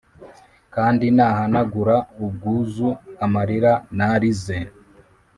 kandi nahanagura ubwuzu amarira narize.